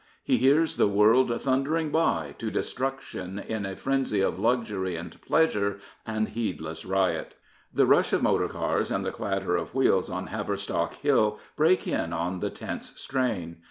He hears the world thunder ing by to destruction in a frenzy of luxury and pleasure and heedless riot. The rush of motor cars and the clatter of wheels on Haverstock Hill break in on the tense strain.